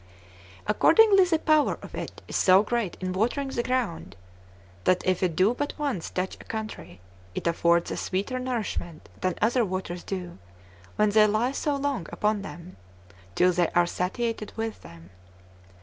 Accordingly, the power of it is so great in watering the ground, that if it do but once touch a country, it affords a sweeter nourishment than other waters do, when they lie so long upon them, till they are satiated with them.